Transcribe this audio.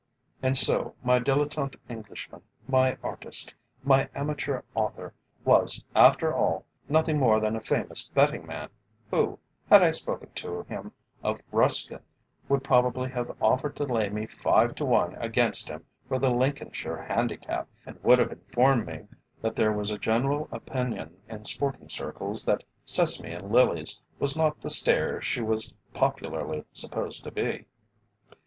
And so my dilettante Englishman, my artist, my amateur author, was, after all, nothing more than a famous betting man, who, had I spoken to him of Ruskin, would probably have offered to lay me five to one against him for the Lincolnshire Handicap, and would have informed me that there was a general opinion in Sporting Circles that "Sesame and Lilies" was not the stayer she was popularly supposed to be.